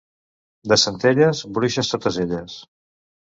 De Centelles, bruixes totes elles.